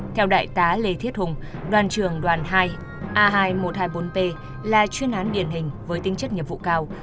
theo đại tá lê thiết hùng đoàn trường đoàn hai a hai nghìn một trăm hai mươi bốn p là chuyên án điển hình với tính chất nhiệm vụ cao